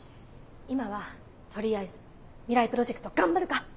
今は取りあえず未来プロジェクト頑張るか。